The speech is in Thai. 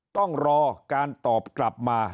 ต้องรอการตอบกลับมา